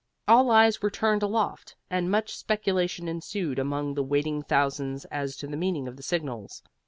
All eyes were turned aloft, and much speculation ensued among the waiting thousands as to the meaning of the signals.